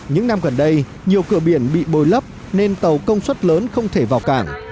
những năm gần đây nhiều cửa biển bị bồi lấp nên tàu công suất lớn không thể vào cảng